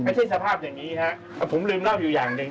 ไม่ใช่สภาพอย่างนี้ครับผมลืมเล่าอยู่อย่างหนึ่ง